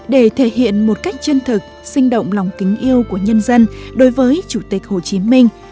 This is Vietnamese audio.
để thể hiện một cách chân thực sinh động lòng kính yêu của nhân dân đối với chủ tịch hồ chí minh